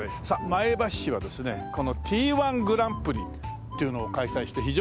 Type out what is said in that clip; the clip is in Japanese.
さあ前橋市はですねＴ−１グランプリっていうのを開催して